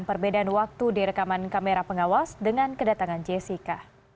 perbedaan waktu di rekaman kamera pengawas dengan kedatangan jessica